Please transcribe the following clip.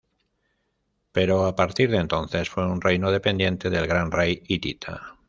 Pero a partir de entonces fue un reino dependiente del gran rey hitita.